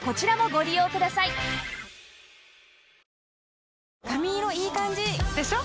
さらに髪色いい感じ！でしょ？